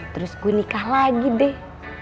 terus gue nikah lagi deh